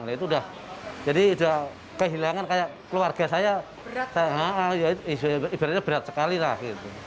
nah itu udah jadi udah kehilangan kayak keluarga saya ibaratnya berat sekali lah